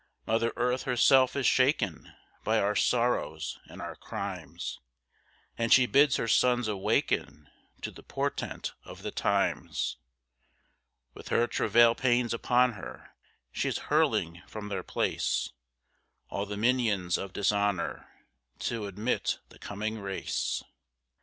Mother Earth herself is shaken by our sorrows and our crimes; And she bids her sons awaken to the portent of the times; With her travail pains upon her, she is hurling from their place All the minions of dishonour, to admit the Coming Race.